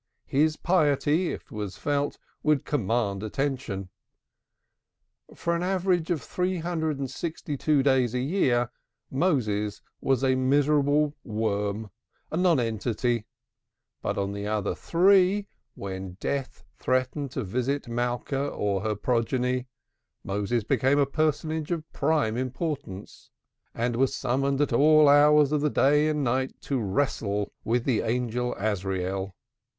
His piety, it was felt, would command attention. For an average of three hundred and sixty two days a year Moses was a miserable worm, a nonentity, but on the other three, when death threatened to visit Malka or her little clan, Moses became a personage of prime importance, and was summoned at all hours of the day and night to wrestle with the angel Azrael.